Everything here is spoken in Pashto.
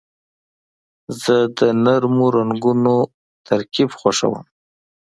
زه د نرمو رنګونو ترکیب خوښوم.